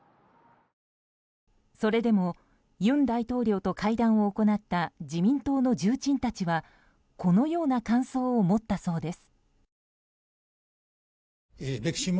それでも尹大統領と会談を行った自民党の重鎮たちはこのような感想を持ったそうです。